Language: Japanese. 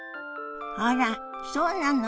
あらそうなの。